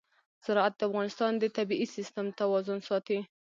زراعت د افغانستان د طبعي سیسټم توازن ساتي.